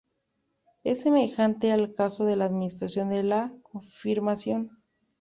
Es semejante al caso de la administración de la confirmación.